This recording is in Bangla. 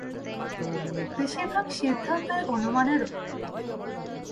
বেশির ভাগ সিদ্ধান্তই অনুমানের ওপর।